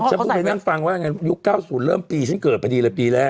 ฉันพูดให้นักฟังว่ายุค๙๐เริ่มปีฉันเกิดไปดีแหละปีแรก